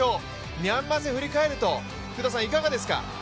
ミャンマー戦振り返ると、いかがですか？